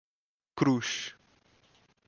Cruz